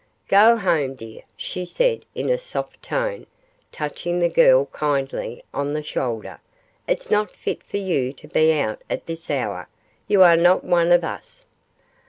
'Go home, dear,' she said, in a soft tone, touching the girl kindly on the shoulder, 'it's not fit for you to be out at this hour. You are not one of us.